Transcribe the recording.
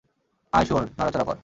আয়, শুয়োর, নড়াচড়া কর!